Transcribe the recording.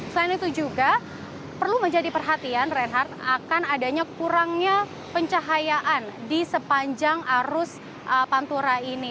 selain itu juga perlu menjadi perhatian reinhardt akan adanya kurangnya pencahayaan di sepanjang arus pantura ini